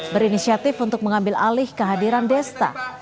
berinisiatif untuk mengambil alih kehadiran desta